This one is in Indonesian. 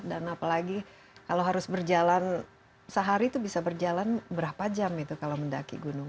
dan apalagi kalau harus berjalan sehari itu bisa berjalan berapa jam itu kalau mendaki gunung